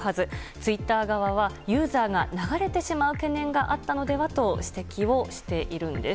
ツイッター側はユーザーが流れてしまう懸念があったのではと指摘をしています。